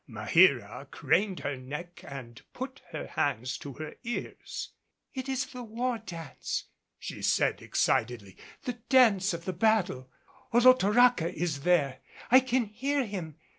Maheera craned her neck and put her hands to her ears. "It is the war dance," she said excitedly, "the dance of the battle. Olotoraca is there. I can hear him.